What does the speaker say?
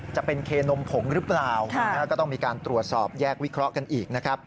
จะเป็นเคนมผงหรือเปล่าก็ต้องมีการตรวจสอบแยกวิเคราะห์กันอีกนะครับ